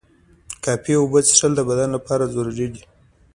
کافی اوبه څښل د بدن لپاره ضروري دي.